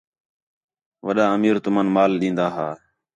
وݙا امیر تُمن مال ݙین٘دا ہا